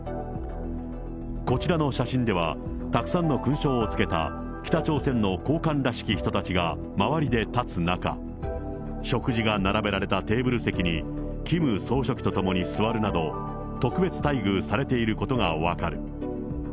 こちらの写真では、たくさんの勲章をつけた北朝鮮の高官らしき人たちが周りで立つ中、食事が並べられたテーブル席にキム総書記と共に座るなど、特別待遇されていることが分かる。